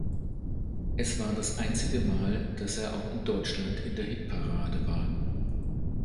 Es war das einzige Mal, dass er auch in Deutschland in der Hitparade war.